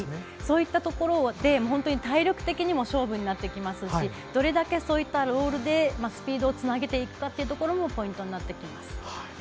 そういったところで、体力的にも勝負になってきますしどれだけそういったロールでスピードをつなげていくかもポイントになってきます。